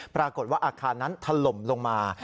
ปรากฏว่าอาคารนั้นถล่มลงมา